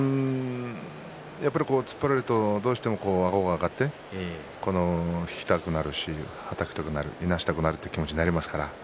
突っ張られるとどうしても、あごが上がって引きたくなる、はたきたくなるいなしたくなるという気持ちになります。